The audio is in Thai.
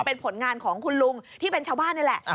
เป็นผลงานของคุณลุงที่เป็นชาวบ้านนี่แหละ